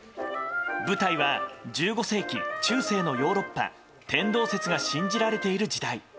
舞台は１５世紀中世のヨーロッパ天動説が信じられている時代。